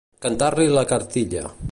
Cantar-li la cartilla.